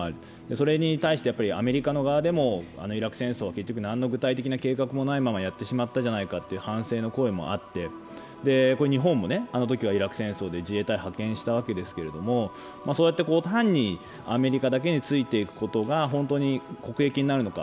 それに対してアメリカの側でもあのイラク戦争は結局なんの具体的な計画もないままやってしまったじゃないかと、反省の声もあって、日本もあのときはイラク戦争で自衛隊を派遣したわけですけれど単にアメリカだけについていくことが本当に国益になるのか。